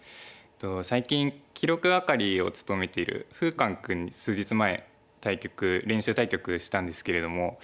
最近記録係を務めている富康君に数日前練習対局したんですけれども。